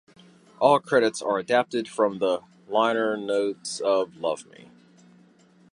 All credits are adapted from the liner notes of "Love Me".